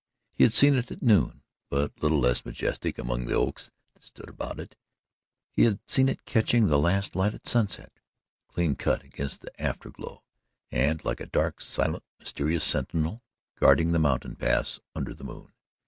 He had seen it at noon but little less majestic, among the oaks that stood about it; had seen it catching the last light at sunset, clean cut against the after glow, and like a dark, silent, mysterious sentinel guarding the mountain pass under the moon.